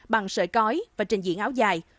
bằng sợi cói và trình diễn áo dài